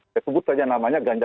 saya sebut saja namanya ganja